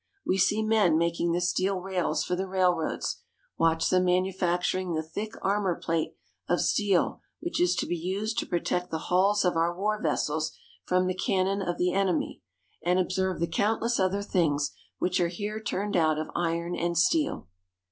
We see men making the steel rails for the railroads, watch them manufacturing the thick armor plate of steel which is to be used to protect the hulls of our war ves sels from the cannon of the enemy, and observe the countless other things which are here turned out of iron and steel.